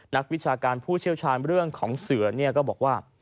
วิชาการผู้เชี่ยวชาญเรื่องของเสือก็บอกว่า